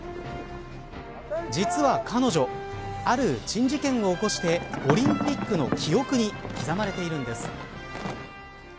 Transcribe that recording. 実は、彼女ある珍事件を起こしてオリンピックの記憶に刻まれているんです。